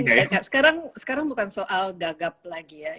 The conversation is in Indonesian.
enggak enggak enggak sekarang bukan soal gagal pulangnya ya kan